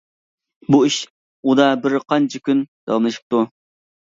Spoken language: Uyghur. بۇ ئىش ئۇدا بىر قانچە كۈن داۋاملىشىپتۇ.